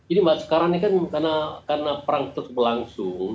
ini mbak sekarang ini kan karena perang terlangsung